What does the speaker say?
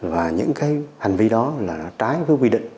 và những cái hành vi đó là trái với quy định